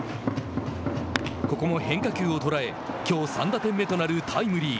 ここも変化球を捉えきょう３打点目となるタイムリー。